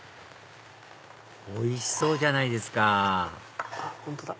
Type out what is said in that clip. おいしそうじゃないですか本当だ！